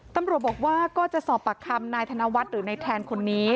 ตำรวจบอกว่าก็จะสอบปากคำนายธนวัฒน์หรือนายแทนคนนี้